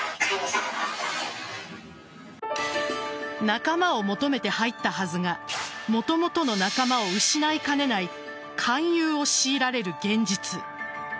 仲間を求めて入ったはずがもともとの仲間を失いかねない勧誘を強いられる現実。